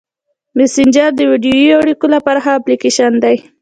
مسېنجر د ویډیويي اړیکو لپاره ښه اپلیکیشن دی.